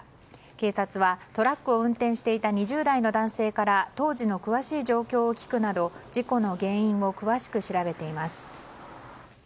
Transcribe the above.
警察はトラックを運転していた２０代の男性から当時の詳しい状況を聞くなど事故の原因を詳しく調べています。